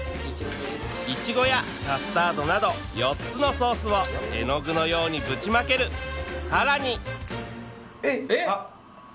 イチゴやカスタードなど４つのソースを絵の具のようにぶちまけるさらにえっ？